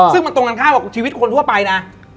ซึ่งมันตรงกันข้ามกับชีวิตคนทั่วไปนะ